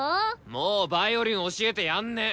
もうヴァイオリン教えてやんねぇ。